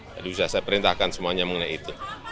jadi saya perintahkan semuanya mengenai itu